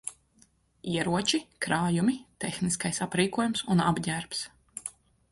Ieroči, krājumi, tehniskais aprīkojums un apģērbs.